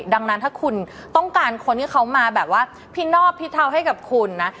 ดังนั้นถ้าคุณต้องการคนที่เขามาแบบว่าพินอบพิเทาให้กับคุณนะ